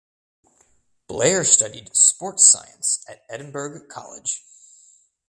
Blair studied sports science at Edinburgh College.